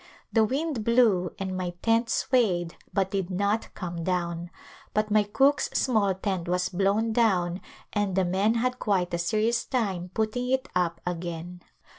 The wind blew and my tent swayed but did not come down, but my cook's small tent was blown down and the men had quite a serious time putting it up again.